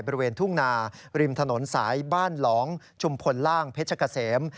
บริเวณทุ่งนาริมถนนสายบ้านหลองชุมพลล่างเพชรเกษม